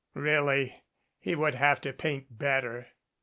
Really he would have to paint better.